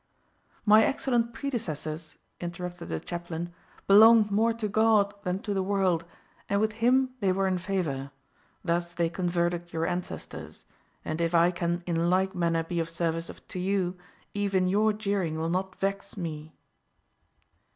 "My excellent predecessors," interrupted the chaplain, "belonged more to God than to the world, and with Him they were in favour. Thus they converted your ancestors; and if I can in like manner be of service to you, even your jeering will not vex me."